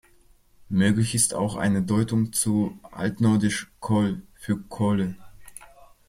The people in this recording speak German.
Möglich ist auch eine Deutung zu altnordisch "kol" für Kohle.